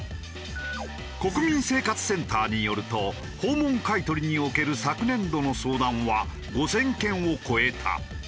国民生活センターによると訪問買い取りにおける昨年度の相談は５０００件を超えた。